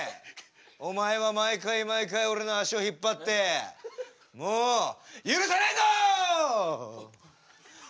お前は毎回毎回俺の足を引っ張ってもう許さないぞ！